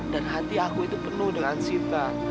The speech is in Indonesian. dan hati aku itu penuh dengan sita